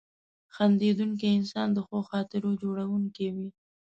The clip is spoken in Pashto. • خندېدونکی انسان د ښو خاطرو جوړونکی وي.